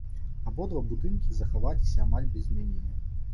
Абодва будынкі захаваліся амаль без змяненняў.